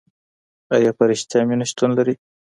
آیا په رښتیا مینه شتون لري؟